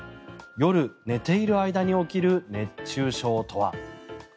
夜、寝ている間に起きる熱中症とは。